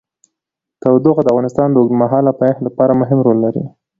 تودوخه د افغانستان د اوږدمهاله پایښت لپاره مهم رول لري.